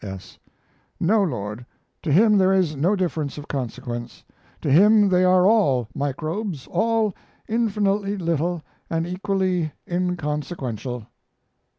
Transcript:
S. No, Lord. To him there is no difference of consequence. To him they are all microbes, all infinitely little and equally inconsequential.